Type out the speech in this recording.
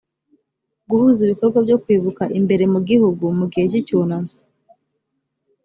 guhuza ibikorwa byo kwibuka imbere mu gihugu mu gihe cy icyunamo